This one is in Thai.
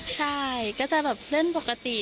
ใช่ก็จะแบบเล่นปกติ